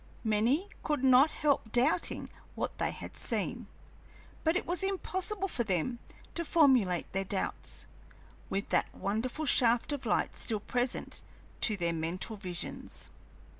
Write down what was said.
Many could not help doubting what they had seen, but it was impossible for them to formulate their doubts, with that wonderful shaft of light still present to their mental visions.